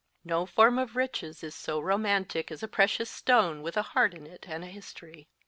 No form of riches is so romantic as a precious stone with a heart in it and a history.